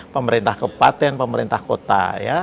pemerintah kebupaten pemerintah kota